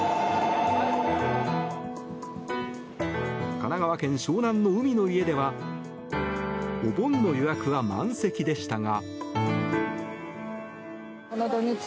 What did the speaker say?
神奈川県・湘南の海の家ではお盆の予約は満席でしたが。